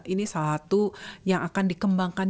ini satu yang akan dikembangkan